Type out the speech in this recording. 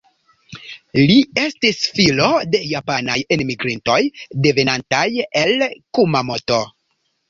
Li estis filo de japanaj enmigrintoj, devenantaj el Kumamoto.